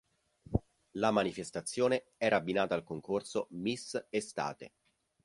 La manifestazione era abbinata al concorso Miss estate.